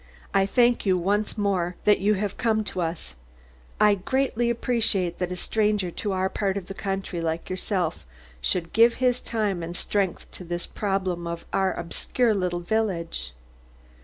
"I thank you once more that you have come to us. I appreciate it greatly that a stranger to our part of the country, like yourself, should give his time and strength to this problem of our obscure little village."